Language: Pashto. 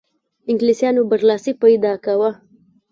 انګلیسیانو برلاسی پیدا کاوه.